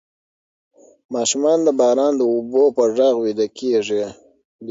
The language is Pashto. ماشومان د باران د اوبو په غږ ویده کیږي.